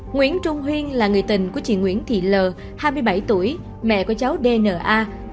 nguyễn trung huyên là người tình của chị nguyễn thị l hai mươi bảy tuổi mẹ của cháu dna